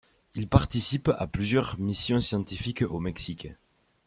Il participe à plusieurs missions scientifiques au Mexique.